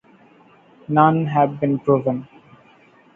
None have been proven.